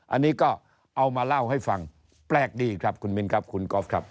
อันนี้ก็เอามาเล่าให้ฟังแปลกดีครับคุณมินครับคุณก๊อฟครับ